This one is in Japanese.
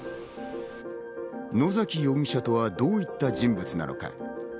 野崎容疑者とはどういった人物なのか？